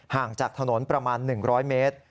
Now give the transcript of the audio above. ห่างจากถนนประมาณ๑๐๐เมตร